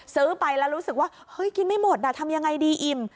ซื้อไปแล้วรู้สึกว่าเฮ้ยกินไม่หมดทำยังไงดีอิ่ม